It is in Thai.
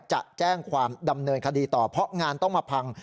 จะแจ้งความดำเนินคดีต่อเพราะงานต้องมาพัง